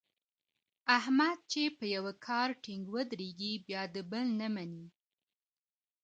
احمد چې په یوه کار ټینګ ودرېږي بیا د بل نه مني.